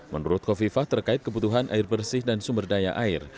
menurut kofifah terkait kebutuhan air bersih dan sumber daya air